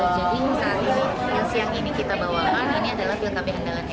jadi misalnya yang siang ini kita bawakan ini adalah pil kb andalan fe